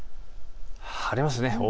晴れますね。